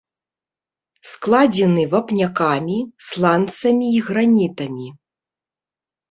Складзены вапнякамі, сланцамі і гранітамі.